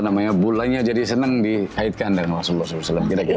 namanya bulannya jadi senang dikaitkan dengan rasulullah saw